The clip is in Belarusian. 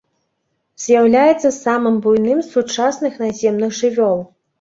З'яўляецца самым буйным з сучасных наземных жывёл.